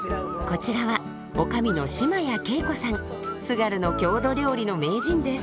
こちらは津軽の郷土料理の名人です。